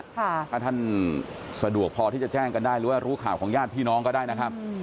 ถ้าท่านสะดวกพอที่จะแจ้งกันได้หรือว่ารู้ข่าวของญาติพี่น้องก็ได้นะครับ